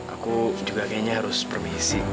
aku juga kayaknya harus permising